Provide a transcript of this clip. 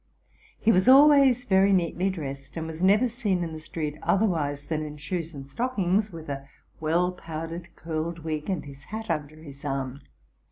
He was always very neatly dressed, and was never seen in the street otherwise than in shoes RELATING TO MY LIFE. 65 and stockings, with a well powdered, curled wig, and his hat under his arm.